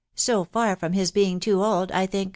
" So far from his being too old, I think